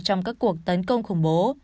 trong các cuộc tấn công khủng bố